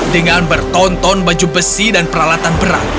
dengan bertonton baju besi dan peralatan berat